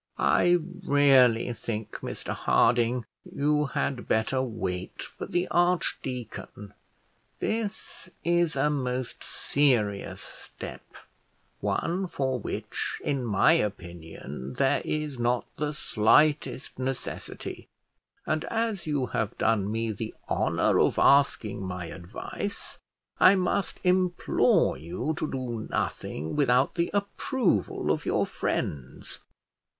"I really think, Mr Harding, you had better wait for the archdeacon. This is a most serious step, one for which, in my opinion, there is not the slightest necessity; and, as you have done me the honour of asking my advice, I must implore you to do nothing without the approval of your friends.